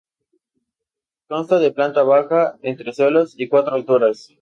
Consta de planta baja, entresuelo y cuatro alturas.